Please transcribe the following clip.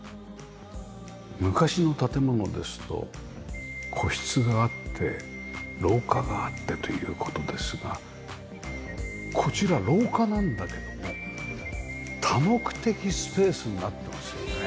昔の建物ですと個室があって廊下があってという事ですがこちら廊下なんだけども多目的スペースになってますよね。